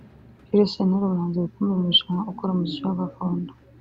Jules Sentore umuhanzi rukumbi mu irushanwa ukora umuziki wa gakondo